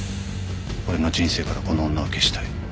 俺の人生からこの女を消したい。